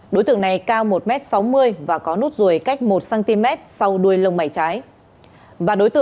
đối tượng này cao một m sáu mươi và có nốt ruồi cách một cm sau đuôi lông mày trái